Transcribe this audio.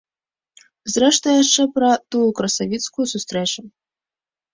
Зрэшты, яшчэ пра тую красавіцкую сустрэчу.